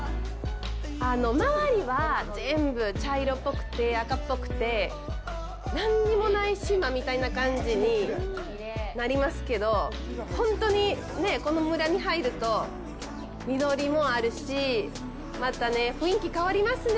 回りは全部茶色っぽくて、赤っぽくて、何にもない島みたいな感じになりますけど、この村に入ると緑もあるし、また雰囲気変わりますね。